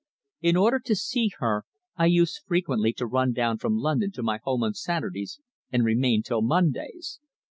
In order to see her I used frequently to run down from London to my home on Saturdays and remain till Mondays.